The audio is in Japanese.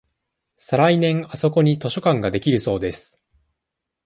さ来年あそこに図書館ができるそうです。